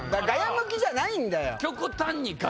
向きじゃないんだよ。